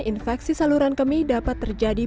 infeksi saluran kemih dapat terjadi